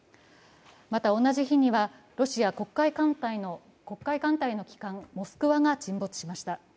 また同じ日にはロシア「黒海艦隊」の「モスクワ」が沈没しました。